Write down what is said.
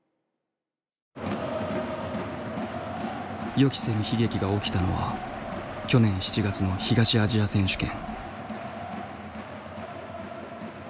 予期せぬ悲劇が起きたのは去年７月の東アジア選手権。